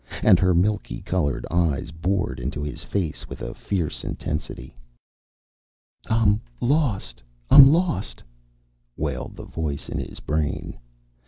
And her milkily colored eyes bored into his with a fierce intensity. "I'm lost I'm lost " wailed the voice in his brain.